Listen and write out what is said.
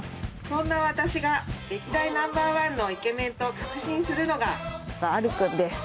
そんな私が歴代ナンバーワンのイケメンと確信するのがアルくんです